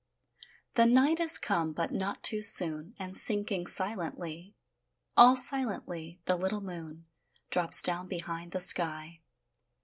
The night is come, but not too soon; And sinking silently, All silently, the little moon Drops down behind the sky.